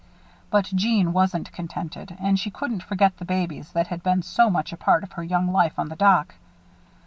But Jeanne wasn't contented and she couldn't forget the babies that had been so much a part of her young life on the dock.